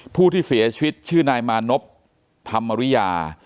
ผู้ที่เสียชีวิตชื่อนายมานพธรรมริยา